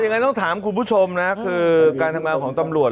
งั้นต้องถามคุณผู้ชมนะคือการทำงานของตำรวจ